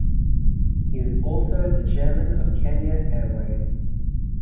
He is also the Chairman of Kenya Airways.